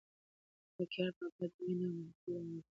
ملکیار بابا د مینې او محبت لاروی دی.